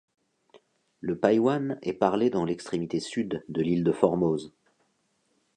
Le paiwan est parlée dans l'extrémité sud de l'île de Formose.